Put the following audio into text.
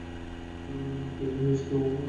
আর কিছু হুইস্কি ও ওয়াইন?